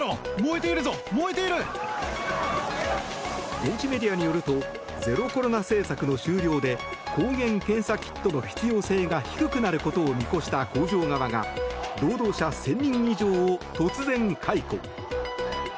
現地メディアによるとゼロコロナ政策の終了で抗原検査キットの必要性が低くなることを見越した工場側が労働者１０００人以上を突然解雇。